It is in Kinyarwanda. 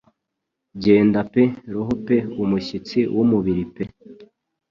Genda pe roho pe umushyitsi wumubiri pe